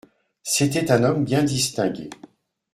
C’était un homme bien distingué.